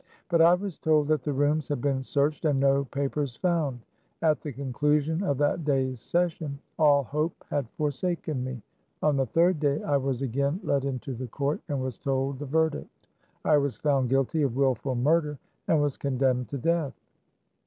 But I was told that the rooms had been searched and no papers found. At the conclusion of that day's session all hope 148 THE CAB AVAN. had forsaken me. On the third day I was again led into the court and was told the verdict : I was found guilty of willful murder, and was condemned to death.